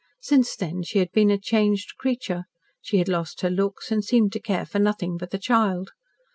Since then she had been a changed creature; she had lost her looks and seemed to care for nothing but the child.